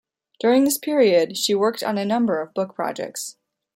During this period, she worked on a number of book projects.